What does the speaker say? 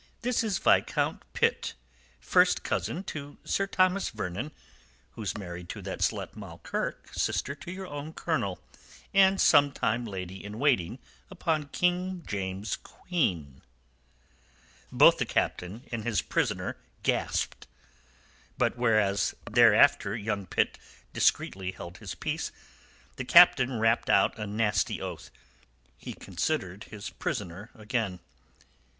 This is Viscount Pitt, first cousin to Sir Thomas Vernon, who's married to that slut Moll Kirke, sister to your own colonel, and sometime lady in waiting upon King James's queen." Both the Captain and his prisoner gasped. But whereas thereafter young Pitt discreetly held his peace, the Captain rapped out a nasty oath. He considered his prisoner again.